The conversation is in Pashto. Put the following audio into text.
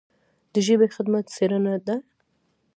د ژبې خدمت څېړنه ده.